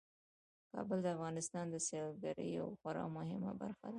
کابل د افغانستان د سیلګرۍ یوه خورا مهمه برخه ده.